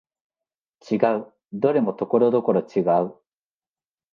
違う、どれもところどころ違う